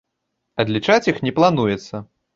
Адлічаць іх не плануецца.